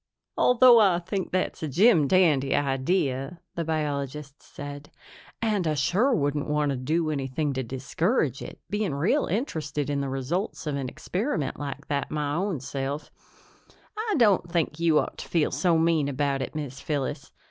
"Although I think that's a jim dandy idea," the biologist said, "and I sure wouldn't want to do anything to discourage it, being real interested in the results of an experiment like that my own self, I don't think you ought to feel so mean about it, Miz Phyllis.